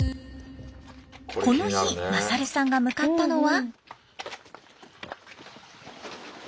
この日勝さんが向かったのは。